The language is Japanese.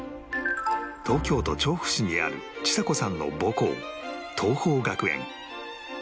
東京都調布市にあるちさ子さんの母校桐朋学園